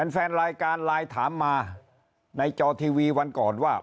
แฟนรายการไลน์ถามมาในจอทีวีวันก่อนว่า